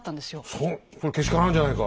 それはけしからんじゃないか。